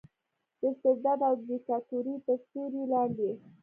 د استبداد او دیکتاتورۍ تر سیورې لاندې